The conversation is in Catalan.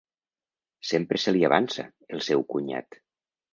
Sempre se li avança, el seu cunyat.